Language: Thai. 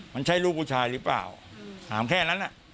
มันใช่ลูกผู้ชายหรือเปล่าถามแค่นั้น